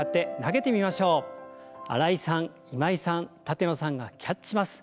新井さん今井さん舘野さんがキャッチします。